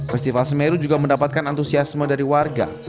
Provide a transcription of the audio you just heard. festival semeru juga mendapatkan antusiasme dari warga